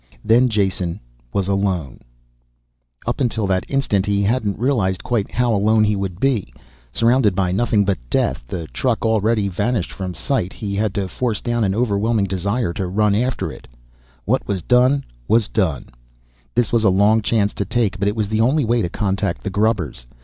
Then Jason was alone. Up until that instant he hadn't realized quite how alone he would be. Surrounded by nothing but death, the truck already vanished from sight. He had to force down an overwhelming desire to run after it. What was done was done. This was a long chance to take, but it was the only way to contact the grubbers.